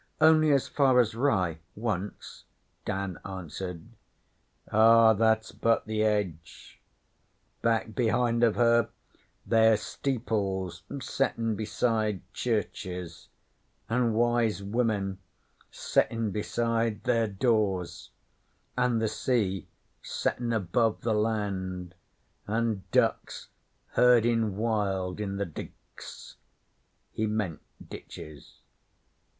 'Only as far as Rye, once,' Dan answered. 'Ah, that's but the edge. Back behind of her there's steeples settin' beside churches, an' wise women settin' beside their doors, an' the sea settin' above the land, an' ducks herdin' wild in the diks' (he meant ditches).